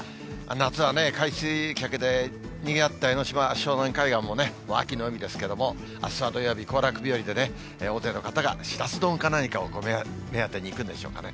夏はね、海水客でにぎわった江の島、湘南海岸もね、秋の海ですけれども、あすは土曜日、行楽日和でね、大勢の方がシラス丼か何かを目当てに行くんでしょうかね。